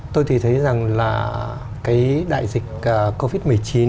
tôi thì thấy rằng là cái đại dịch covid một mươi chín